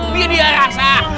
biar dia rasa